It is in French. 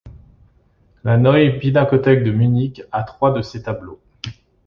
La Neue Pinakothek de Munich a trois de ses tableaux.